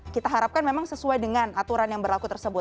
kita harapkan memang sesuai dengan aturan yang berlaku tersebut